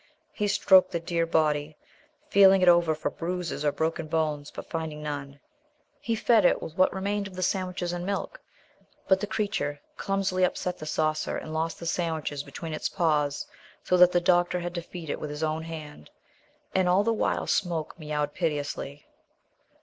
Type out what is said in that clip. He stroked the dear body, feeling it over for bruises or broken bones, but finding none. He fed it with what remained of the sandwiches and milk, but the creature clumsily upset the saucer and lost the sandwiches between its paws, so that the doctor had to feed it with his own hand. And all the while Smoke meowed piteously.